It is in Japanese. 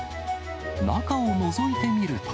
中をのぞいてみると。